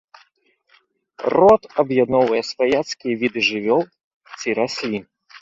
Род аб'ядноўвае сваяцкія віды жывёл ці раслін.